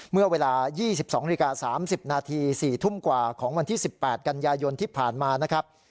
เมื่อเวลา๒๒นาฬิกา๓๐นาที๔ทุ่มกว่าของวันที่๑๘กันยายนที่ผ่านมานะครับ